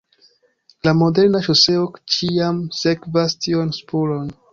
La moderna ŝoseo ĉiam sekvas tion spuron.